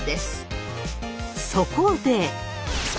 そこで。